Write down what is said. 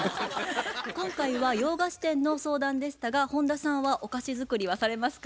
今回は洋菓子店の相談でしたが本田さんはお菓子作りはされますか？